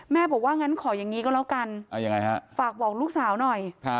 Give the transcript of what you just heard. บอกว่างั้นขออย่างนี้ก็แล้วกันฝากบอกลูกสาวหน่อย